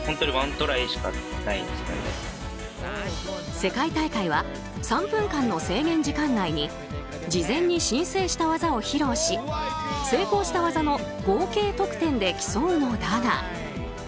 世界大会は３分間の制限時間内に事前に申請した技を披露し成功した技の合計得点で競うのだが。